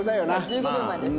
１５秒前です。